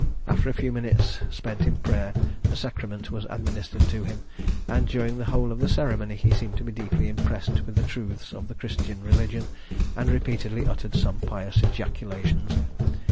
After a few minutes spent in prayer, the sacrament was administered to him, and during the whole of the ceremony he seemed to be deeply impressed with the truths of the christian religion, and repeatedly uttered some pious ejaculations.